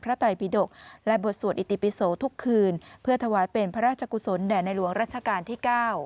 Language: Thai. ราชกุศลแด่ในหลวงราชกาลที่๙